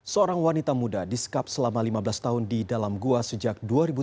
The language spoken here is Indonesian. seorang wanita muda disekap selama lima belas tahun di dalam gua sejak dua ribu tiga